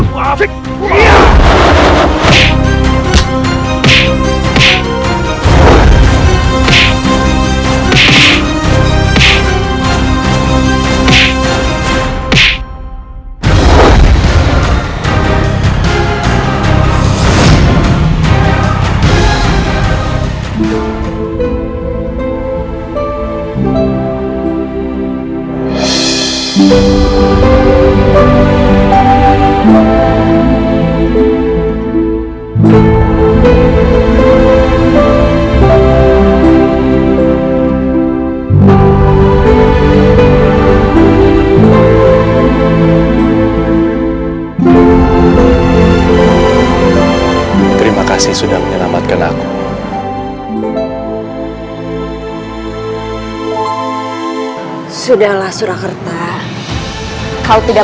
paman ini kesempatan kita